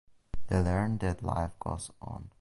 They learn that life goes on.